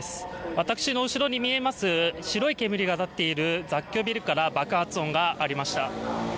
私の後ろに見えます白い煙が立っている雑居ビルから爆発音がありました。